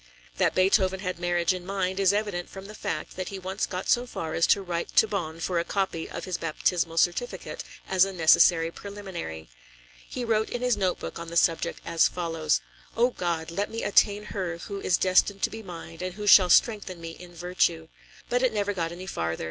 That Beethoven had marriage in mind is evident from the fact that he once got so far as to write to Bonn for a copy of his baptismal certificate as a necessary preliminary. He wrote in his note book on the subject as follows: "Oh God! Let me attain her who is destined to be mine and who shall strengthen me in virtue." But it never got any further.